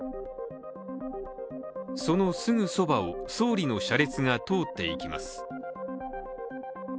そのすぐそばを総理の車列が通っていきます。